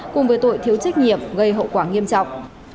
cùng với tội thiếu trách nhiệm gây hậu quả nghiêm trọng